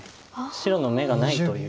白の眼がないという。